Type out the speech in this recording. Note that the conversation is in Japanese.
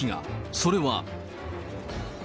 それは。